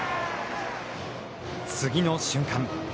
次の瞬間。